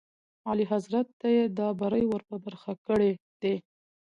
اعلیحضرت ته یې دا بری ور په برخه کړی دی.